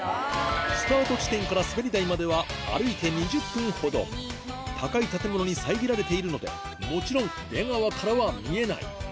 スタート地点から滑り台までは歩いて２０分ほど高い建物に遮られているのでもちろん出川からは見えない